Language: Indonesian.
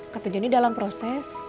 kata joni dalam proses